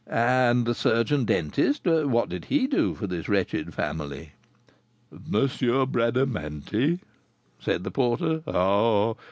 "And the surgeon dentist, what did he do for this wretched family?" "M. Bradamanti?" said the porter. "Ah!